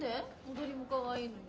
踊りもかわいいのに。